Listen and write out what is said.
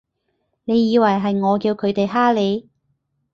你以為係我叫佢哋㗇你？